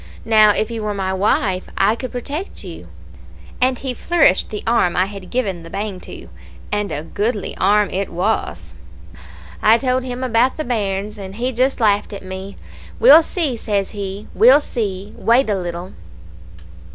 Now, if you were my wife, I could protect you;' and he flourished the arm I had given the bang to and a goodly arm it was. "I told him about the bairns, and he just laughed at me. 'We'll see,' says he. 'We'll see. Wait a little.'